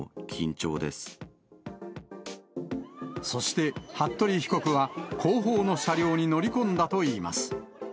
そして、服部被告は、後方の車両に乗り込んだといいます。